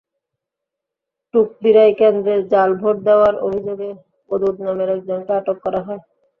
টুকদিরাই কেন্দ্রে জাল ভোট দেওয়ার অভিযোগে ওদুদ নামের একজনকে আটক করা হয়।